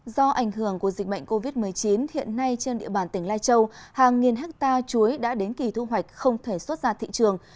do ảnh hưởng của dịch bệnh covid một mươi chín hiện nay trên địa bàn tỉnh lai châu hàng nghìn hectare chuối đã đến kỳ thu hoạch không thể xuất ra thị trường